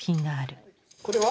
これは？